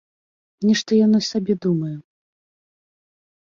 Нешта яно сабе думае.